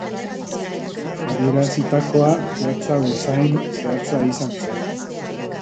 Adierazitakoa latza bezain zehatza izan zen.